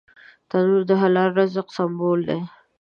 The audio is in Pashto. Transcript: تنور د حلال رزق سمبول دی